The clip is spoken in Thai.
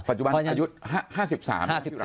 ปัจจุบันอายุ๕๓นะครับ